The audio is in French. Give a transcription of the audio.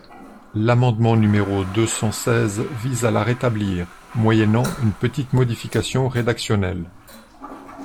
L’amendement numéro deux cent seize vise à la rétablir, moyennant une petite modification rédactionnelle.